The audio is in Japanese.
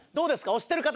推してる方